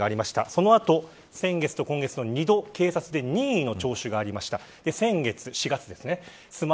その後、先月と今月の２度警察で任意の聴取がありました。